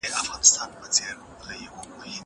زه به اوږده موده موټر کار کړی وم!!